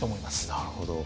なるほど。